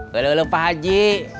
walaulah pak haji